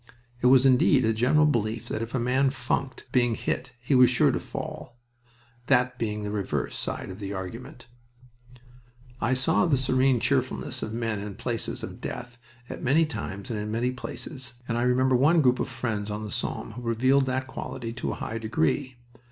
It was indeed a general belief that if a man funked being hit he was sure to fall, that being the reverse side of the argument. I saw the serene cheerfulness of men in the places of death at many times and in many places, and I remember one group of friends on the Somme who revealed that quality to a high degree.